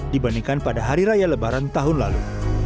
dibandingkan pada hari raya lebaran tahun lalu